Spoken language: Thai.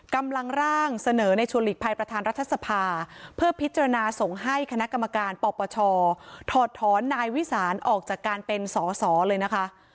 กำลังร่างเสนอในชวนหลีกภัยประธานรัฐสภาเพื่อพิจารณาส่งให้คณะกรรมการปปชถอดถอนนายวิสานออกจากการเป็นสอสอเลยนะคะ